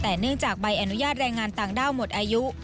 แต่เนื่องจากใบอนุญาตแรงงานต่างด้าวหมดอายุ